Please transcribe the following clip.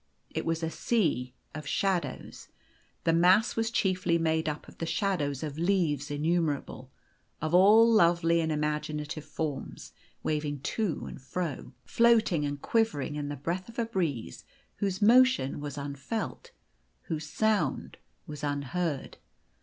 It was a sea of shadows. The mass was chiefly made up of the shadows of leaves innumera ble, of all lovely and imaginative forms, waving to and fro, floating and quivering in the breath of a breeze whose motion was unfelt, whose sound was unheard.